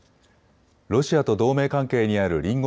ロシアと同盟関係にある隣国